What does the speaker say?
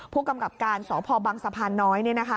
ผู้กำกับการสพบังสะพานน้อย